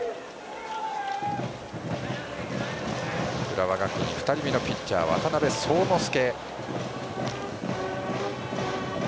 浦和学院、２人目のピッチャー渡邉聡之介。